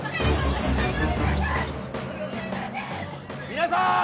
皆さん！